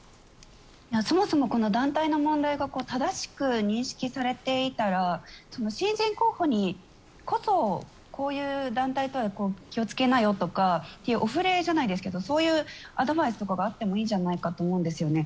そもそもこの団体の問題が正しく認識されていたら新人候補にこそこういう団体とは気をつけなよとかというお触れじゃないですけどそういうアドバイスとかがあってもいいんじゃないかなと思うんですよね。